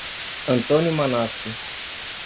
Antônio Manasfi